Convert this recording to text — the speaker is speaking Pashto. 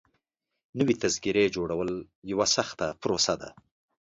نوي تذکيري جوړول يوه سخته پروسه ده.